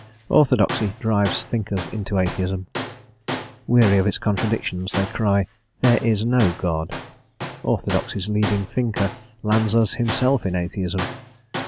Orthodoxy drives thinkers into atheism; weary of its contradictions they cry, "there is no God"; orthodoxy's leading thinker lands us himself in atheism.